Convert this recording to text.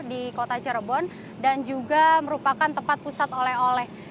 di kota cirebon dan juga merupakan tempat pusat oleh oleh